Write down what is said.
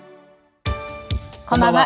こんばんは。